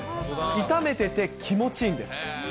炒めてて気持ちいいんです。